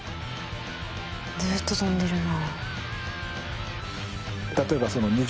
ずっと飛んでるな。